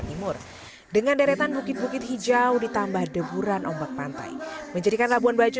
timur dengan deretan bukit bukit hijau ditambah deburan ombak pantai menjadikan labuan bajo